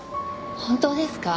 本当ですか？